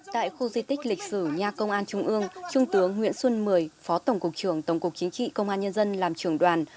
tại khu di tích lịch sử nhà công an trung ương trung tướng nguyễn xuân mười phó tổng cục trưởng tổng cục chính trị công an nhân dân làm trưởng đoàn